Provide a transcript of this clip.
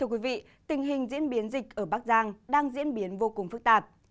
cảm ơn quý vị tình hình diễn biến dịch ở bắc giang đang diễn biến vô cùng phức tạp